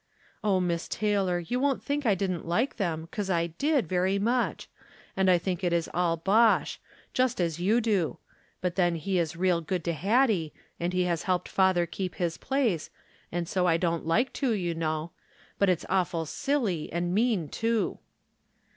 " Oh, Miss Taylor, you won't think I didn't like them, 'cause I did, very much ; and I tliink it is all bosh, just as you do ; but then he is real good to Hattie, and he has helped father keep his place, and so I don't like to, you know. But it's awful silly, and mean, too."